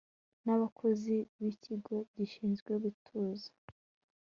n abakozi b ikigo gishinzwe gutuza